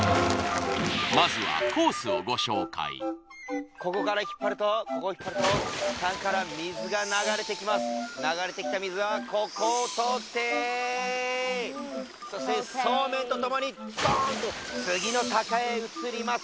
まずはここから引っ張るとここを引っ張るとタンクから水が流れてきます流れてきた水はここを通ってそしてそうめんとともにストーンと次の竹へ移ります